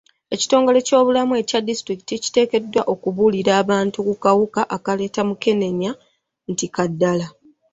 Ekitongole ky'ebyobulamu ekya disitulikiti kiteekeddwa omubuulire abantu ku kawuka akaleeta mukenenya nti ka ddala.